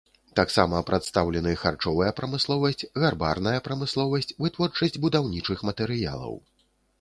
Таксама прадстаўлены харчовая прамысловасць, гарбарная прамысловасць, вытворчасць будаўнічых матэрыялаў.